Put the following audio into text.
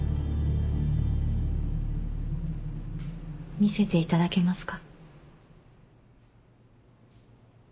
見せていただけますか？